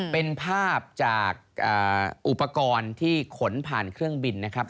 เป็นภาพจากอุปกรณ์ที่ขนผ่านเครื่องบินนะครับ